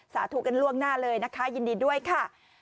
สาธุกันล่วงหน้าเลยนะคะยินดีด้วยค่ะ